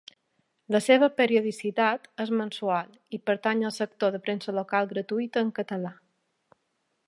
La seva periodicitat és mensual i pertany al sector de premsa local gratuïta en català.